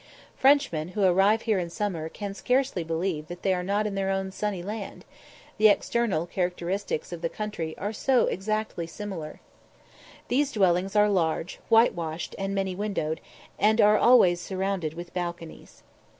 Frenchmen who arrive here in summer can scarcely believe that they are not in their own sunny land; the external characteristics of the country are so exactly similar. These dwellings are large, whitewashed, and many windowed, and are always surrounded with balconies.